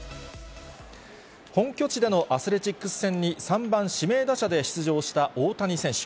本拠地でのアスレチックス戦に３番指名打者で出場した大谷選手。